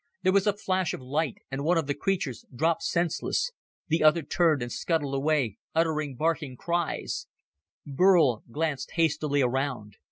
There was a flash of light and one of the creatures dropped senseless. The other turned and scuttled away, uttering barking cries. Burl glanced hastily around.